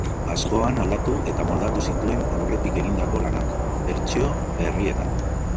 Askoan aldatu eta moldatu zituen aurretik egindako lanak, bertsio berrietan.